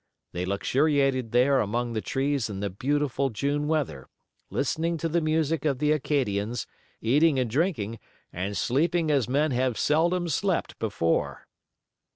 They luxuriated there among the trees in the beautiful June weather, listening to the music of the Acadians, eating and drinking and sleeping as men have seldom slept before.